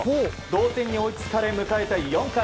同点に追いつかれ、迎えた４回。